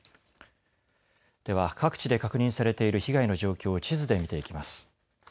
では各地で確認されている被害の状況を地図で見ていきます。